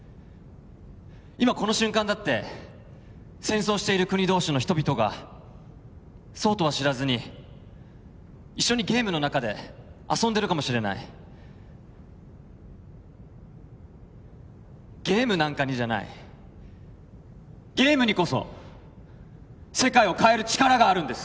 今この瞬間だって戦争している国同士の人々がそうとは知らずに一緒にゲームの中で遊んでるかもしれない「ゲームなんかに」じゃないゲームにこそ世界を変える力があるんです